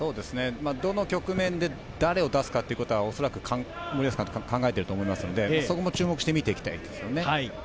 どの局面で誰を出すか、森保監督は考えていると思いますので、そこも注目して見ていきたいですね。